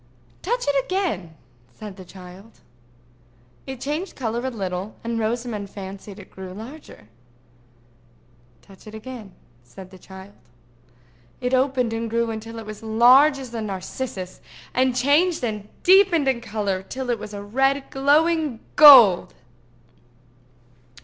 "Touch it again," said the child. It changed color a little, and Rosamond fancied it grew larger. "Touch it again," said the child. It opened and grew until it was as large as a narcissus, and changed and deepened in color till it was a red glowing gold.